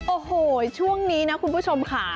โอ้โหช่วงนี้นะคุณผู้ชมค่ะ